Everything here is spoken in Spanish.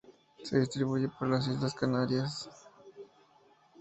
Se distribuye por las islas Canarias.